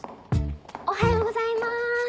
おはようございます。